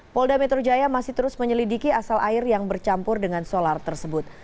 polda metro jaya masih terus menyelidiki asal air yang bercampur dengan solar tersebut